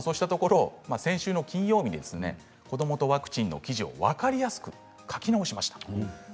先週の金曜日子どもとワクチンの記事を分かりやすく書き直しました。